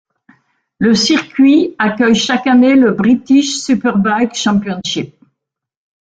Le circuit accueille chaque année le British Superbike Championship.